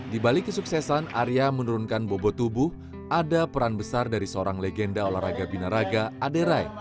kembali kesuksesan arya menurunkan bobot tubuh ada peran besar dari seorang legenda olahraga bina raga aderae